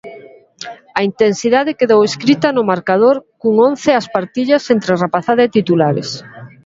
A intensidade quedou escrita no marcador cun once ás partillas entre rapazada e titulares.